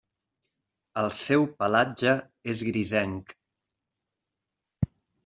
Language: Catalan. El seu pelatge és grisenc.